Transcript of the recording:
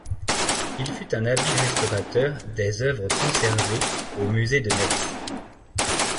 Il fut un habile restaurateur des œuvres conservées au musée de Metz.